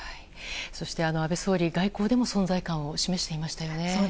そして、安倍総理は外交でも存在感を示していましたよね。